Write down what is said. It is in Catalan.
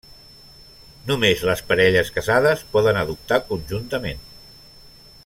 Només les parelles casades poden adoptar conjuntament.